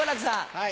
はい。